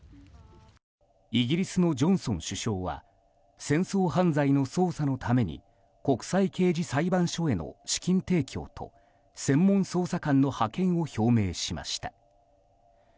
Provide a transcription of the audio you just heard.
イギリスのジョンソン首相は戦争犯罪の捜査のために国際刑事裁判所への資金提供と専門捜査官の派遣を表明しました。